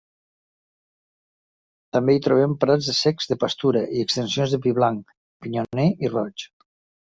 També hi trobem prats secs de pastura i extensions de pi blanc, pinyoner i roig.